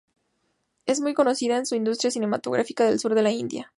Es muy conocida en la industria cinematográfica del Sur de la India.